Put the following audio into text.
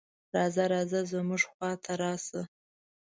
"راځه راځه زموږ خواته راشه".